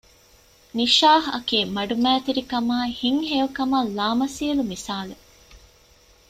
ނިޝާހް އަކީ މަޑުމައިތިރި ކަމާއި ހިތްހެޔޮކަމަށް ލާމަސީލު މިސާލެއް